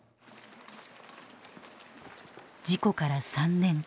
事故から３年。